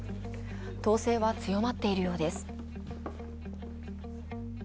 統制は強まっているようです。